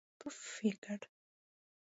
پووووووفففف یې کړ.